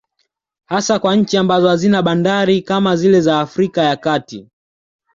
Hasa kwa nchi ambazo hazina bandari kama zile za Afrika ya kati